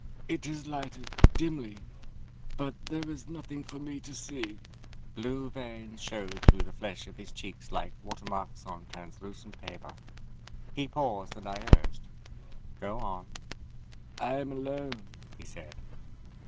"It is lighted, dimly, but there is nothing for me to see." Blue veins showed through the flesh of his cheeks like watermarks on translucent paper. He paused and I urged, "Go on." "I am alone," he said.